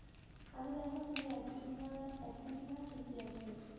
আমি জানতাম তুমি একদিন না ঠিকই আসবে।